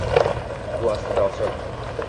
Bu aslida oson